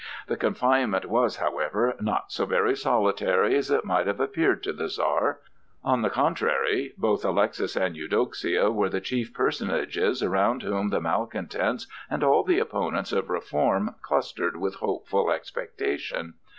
The confinement was, however, not so very solitary as it might have appeared to the Czar; on the contrary, both Alexis and Eudoxia were the chief personages around whom the malcontents and all the opponents of reform clustered with hopeful expectation.